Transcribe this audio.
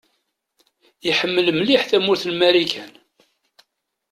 Iḥemmel mliḥ tamurt n Marikan.